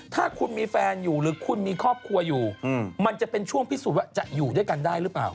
ถ้าคุณมีแฟนอยู่หรือคุณมีครอบครัวอยู่มันจะเป็นช่วงพิสูจน์ว่าจะอยู่ด้วยกันได้หรือเปล่า